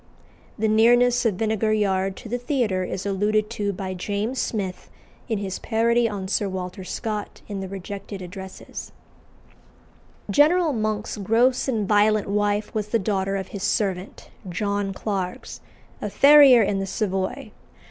The nearness of Vinegar Yard to the theatre is alluded to by James Smith in his parody on Sir Walter Scott in the Rejected Addresses. General Monk's gross and violent wife was the daughter of his servant, John Clarges, a farrier in the Savoy.